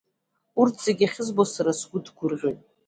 Арҭ зегь ахьызбо, сара сгәы ҭгәырӷьоит.